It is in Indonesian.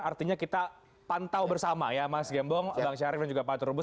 artinya kita pantau bersama ya mas gembong bang syarif dan juga pak turbus